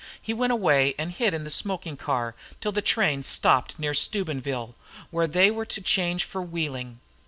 He went away and hid in the smoking car till the train stopped near Stubenville, where they were to change for Wheeling.